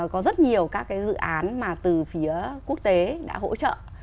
có rất nhiều các cái dự án mà từ phía quốc tế đã hỗ trợ